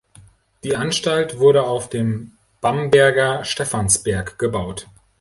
Die Anstalt wurde auf dem Bamberger Stephansberg gebaut.